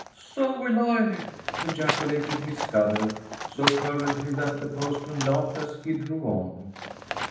"So will I!" ejaculated Miss Scudder, so fervently that the postman laughed as he drove on.